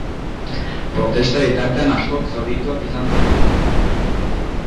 Protesta bitartean askok zaurituak izan ziren.